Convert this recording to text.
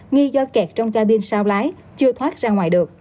nghi do kẹt trong cabin sao lái chưa thoát ra ngoài được